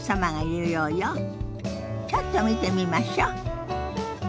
ちょっと見てみましょ。